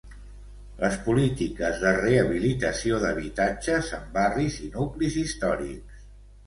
Les polítiques de rehabilitació d'habitatges en barris i nuclis històrics.